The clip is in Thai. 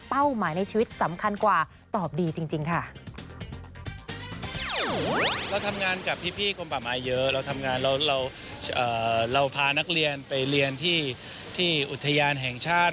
เราทำงานเราพานักเรียนไปเรียนที่อุทยานแห่งชาติ